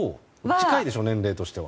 近いでしょ、年齢としては。